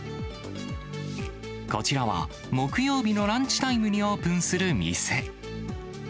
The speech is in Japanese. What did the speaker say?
こちらは、木曜日のランチタイムにオープンする店。